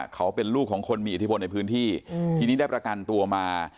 เขาเป็นลูกของคนมีอิทธิพลในพื้นที่ทีนี้ได้ประกันตัวมา